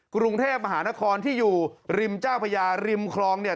กรุงเทพมหานครที่อยู่ริมเจ้าพญาริมคลองเนี่ย